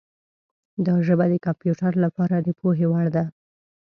دا ژبه د کمپیوټر لپاره د پوهې وړ ده.